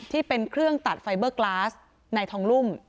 ที่เป็นเครื่องตัดไฟเบอร์กลาสในทองรุ่ม